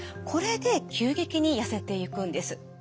これで急激にやせていくんです。